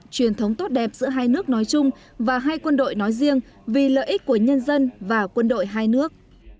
truyền thống tốt đẹp giữa hai nước nói chung và hai quân đội nói riêng vì lợi ích của nhân dân và quân đội hai nước